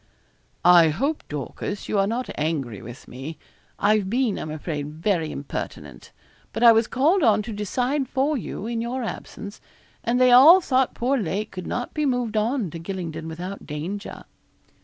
'I hope, Dorcas, you are not angry with me. I've been, I'm afraid, very impertinent; but I was called on to decide for you, in your absence, and they all thought poor Lake could not be moved on to Gylingden without danger.'